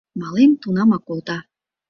Мален тунамак колта.